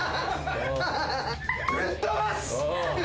ぶっとばす！